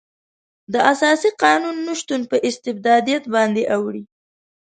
د اساسي قانون نشتون په استبدادیت باندې اوړي.